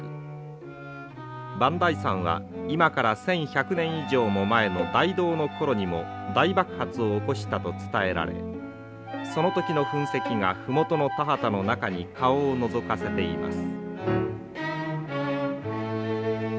磐梯山は今から１，１００年以上も前の大同の頃にも大爆発を起こしたと伝えられその時の噴石が麓の田畑の中に顔をのぞかせています。